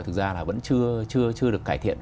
thực ra là vẫn chưa được cải thiện